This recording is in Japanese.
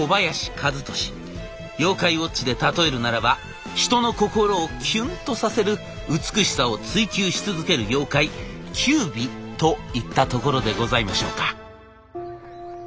「妖怪ウォッチ」で例えるならば人の心をキュン！とさせる美しさを追求し続ける妖怪キュウビといったところでございましょうか。